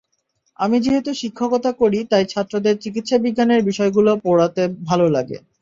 আমি যেহেতু শিক্ষকতা করি, তাই ছাত্রদের চিকিৎসাবিজ্ঞানের বিষয়গুলো পড়াতে ভালো লাগে।